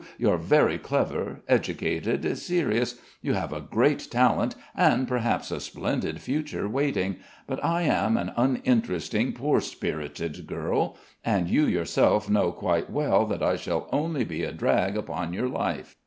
You're very clever, educated, serious; you have a great talent, and perhaps, a splendid future waiting, but I am an uninteresting poor spirited girl, and you yourself know quite well that I shall only be a drag upon your life.